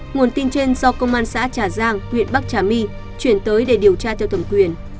nguồn tin trên do công an xã trà giang huyện bắc trà my chuyển tới để điều tra theo thẩm quyền